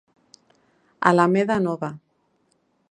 Alameda nova.